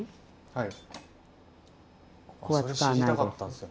はい。